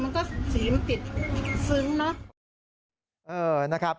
มันก็สีมันปิดซึ้งเนอะ